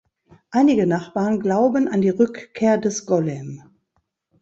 Einige Nachbarn glauben an die Rückkehr des Golem.